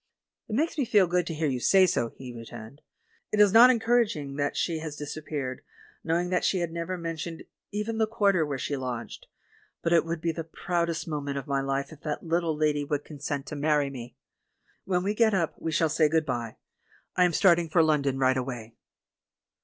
"It makes me feel good to hear you say so," he returned. "It is not encouraging that she has disappeared, knowing that she had never men tioned even the quarter where she lodged; but it would be the proudest moment of my life if that little lady would consent to marry me. When we get up we shall say 'Good bye' — I am starting for London right away."